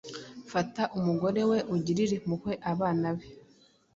Fata umugore we, ugirire impuhwe abana be,